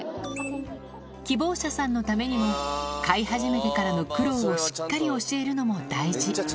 希望者さんのためにも、飼い始めてからの苦労をしっかり教えるのも大事。